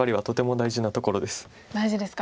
大事ですか。